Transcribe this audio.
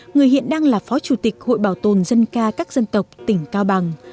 người hiện đang là phó chủ tịch hội bảo tồn dân ca các dân tộc tỉnh cao bằng